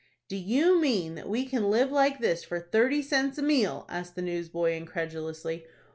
"Do you mean that we can live like this for thirty cents a meal?" asked the newsboy, incredulously.